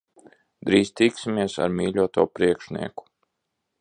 Drīz tiksimies ar mīļoto priekšnieku.